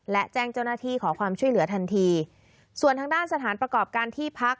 และแจ้งเจ้าหน้าที่ขอความช่วยเหลือทันทีส่วนทางด้านสถานประกอบการที่พัก